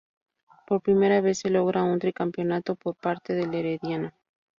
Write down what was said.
Por primera vez se logra un tricampeonato, por parte del Herediano.